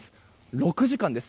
６時間です。